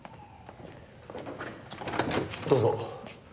どうぞ。